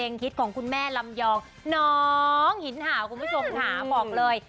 น้องหินหาวคุณผู้ชมขาบอกเลย